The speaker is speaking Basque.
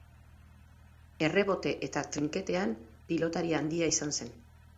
Errebote eta trinketean pilotari handia izan zen.